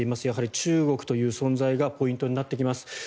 やはり中国という存在がポイントになってきます。